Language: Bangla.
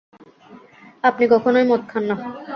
আপনি কখনোই মদ খান না।